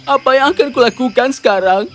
apa yang akan kulakukan sekarang